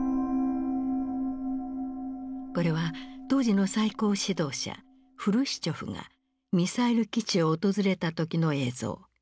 これは当時の最高指導者フルシチョフがミサイル基地を訪れた時の映像。